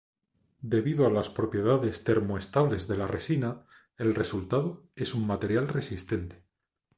Debido a las propiedades termoestables de la resina el resultado es un material resistente.